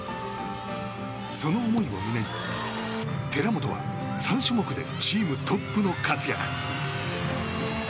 その思いを胸に寺本は３種目でチームトップの活躍。